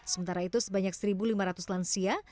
sementara itu sebanyak satu lima ratus lansia